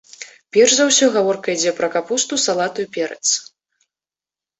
Перш за ўсё гаворка ідзе пра капусту, салату і перац.